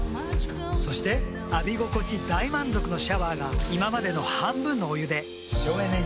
そして浴び心地大満足のシャワーが今までの半分のお湯で省エネに。